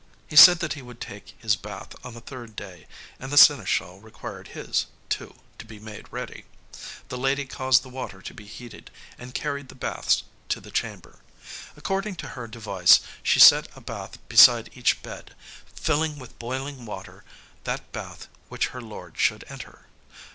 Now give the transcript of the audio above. He said that he would take his bath on the third day, and the seneschal required his, too, to be made ready. The lady caused the water to be heated, and carried the baths to the chamber. According to her device she set a bath beside each bed, filling with boiling water that bath which her lord should enter.